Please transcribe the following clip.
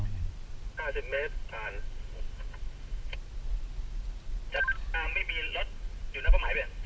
อยู่หน้ารถเป้าหมายไหมช๊าม